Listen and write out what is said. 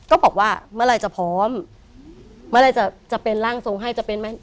ก็บอกว่าเมื่อไหร่จะพร้อมเมื่อไหร่จะจะเป็นร่างทรงให้จะเป็นไหม